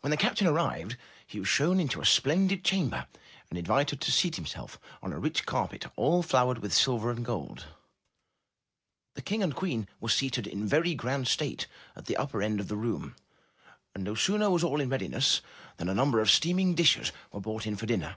When the captain arrived, he was shown into a splendid chamber and invited to seat himself on a rich carpet all flowered with silver and gold. The 336 UP ONE PAIR OF STAIRS King and Queen were seated in very grand state at the upper end of the room, and no sooner was all in readiness than a number of steaming dishes were . brought in for dinner.